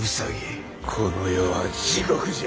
この世は地獄じゃ。